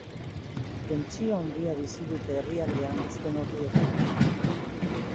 Tentsio handia bizi dute herrialdean azken orduetan.